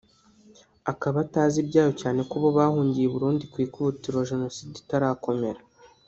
akaba atazi ibyayo cyane ko bo bahungiye i Burundi ku ikubitiro Jenoside itarakomera